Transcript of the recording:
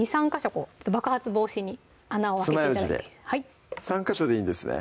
こう爆発防止に穴を開けて頂いてつまようじで３ヵ所でいいんですね？